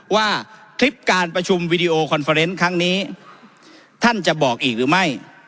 ว่าคลิปการประชุมวิดีโอคอนเฟอร์เนส์ครั้งนี้ท่านจะบอกอีกหรือไม่